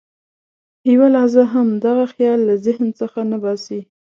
یوه لحظه هم دغه خیال له ذهن څخه نه باسي.